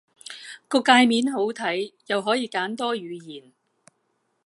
個介面好睇，又可以揀多語言